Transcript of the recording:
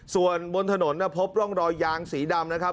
ส่วนบนถนนพบร่องรอยยางสีดำนะครับ